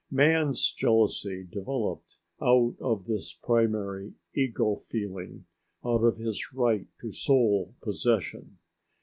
Man's jealousy developed out of this primary ego feeling, out of his right to sole possession.